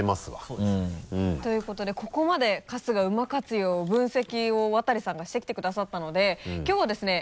そうですよね。ということでここまで「春日うま活用」の分析を渡さんがしてきてくださったのできょうはですね